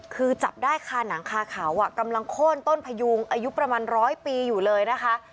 คือจับได้คาหนังคาเขากำลังโค้นต้นพยุงอายุประมาณร้อยปีอยู่เลยนะคะ